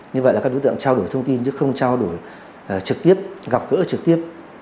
như vậy là các đối tượng trao đổi thông tin chứ không trao đổi trực tiếp gặp gỡ trực tiếp